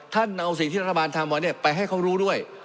ท่านเอาสิ่งที่รัฐบาลทำไว้ไปให้เขารู้ด้วย